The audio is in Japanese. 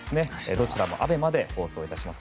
どちらもＡＢＥＭＡで放送いたします。